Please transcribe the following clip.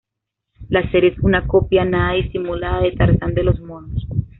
La serie es una copia nada disimulada de "Tarzán de los monos".